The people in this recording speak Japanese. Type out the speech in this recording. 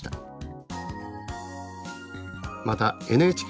またＮＨＫ